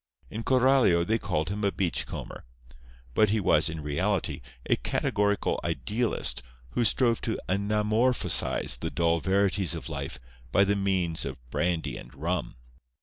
In Coralio they called him a beachcomber; but he was, in reality, a categorical idealist who strove to anamorphosize the dull verities of life by the means of brandy and rum.